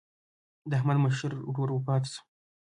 د احمد مشر ورور وفات شو.